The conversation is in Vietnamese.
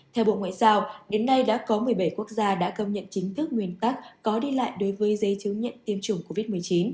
theo bộ ngoại giao đến nay đã có một mươi bảy quốc gia đã công nhận chính thức nguyên tắc có đi lại đối với dây chứng nhận tiêm chủng covid một mươi chín